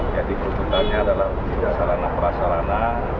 jadi kebutuhannya adalah untuk asalana perasalana